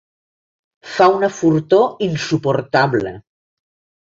Fa una fortor insuportable.